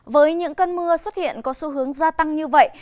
với những cơn mưa xuất hiện có xu hướng gia tăng như vậy